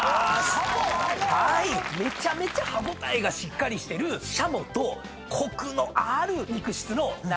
シャモ⁉めちゃめちゃ歯応えがしっかりしてるシャモとコクのある肉質の名古屋種。